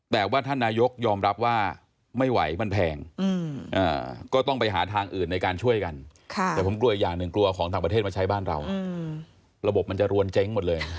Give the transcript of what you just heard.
แต่ว่าท่านนายกยอมรับว่าเมื่อไหวมันแพง